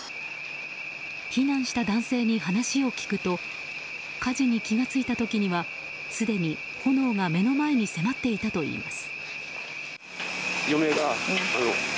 避難した男性に話を聞くと火事に気が付いた時にはすでに、炎が目の前に迫っていたといいます。